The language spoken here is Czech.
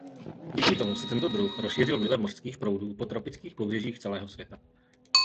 Díky tomu se tento druh rozšířil vlivem mořských proudů po tropických pobřežích celého světa.